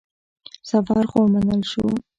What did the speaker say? سفر خو ومنل شو.